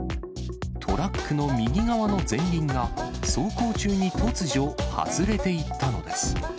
トラックの右側の前輪が、走行中に突如、外れていったのです。